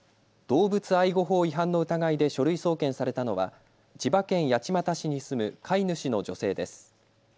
動物愛護法違反の疑いで書類送検されたのは千葉県八街市に住む飼い主の女性です。